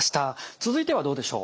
続いてはどうでしょう？